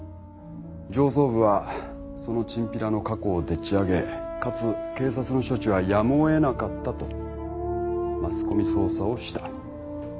上層部はそのちんぴらの過去をでっち上げかつ警察の処置はやむを得なかったとマスコミ操作をした。